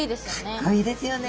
かっこいいですよね。